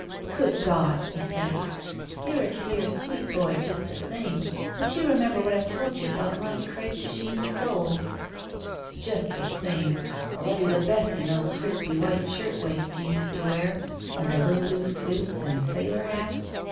"Good God!" he said. "You're a dear, sweet boy just the same; but you remember what I told you about my cr6pe de Chine soul." "Just the same, I love you best in those crispy white shirt waists you used to wear and the Uttle blue suits and sailor hats.